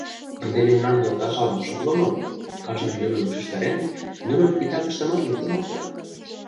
Ынде мемнам йолташлан от шотло мо? — кажнын лӱмым ушештарен, нунын титакыштымат луктын опта.